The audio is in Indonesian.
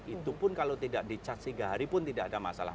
itu pun kalau tidak di charge tiga hari pun tidak ada masalah